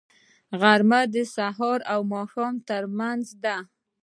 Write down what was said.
غرمه د سبا او ماښام ترمنځ دی